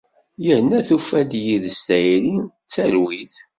Yerna tufa yid-s tayri d talwit.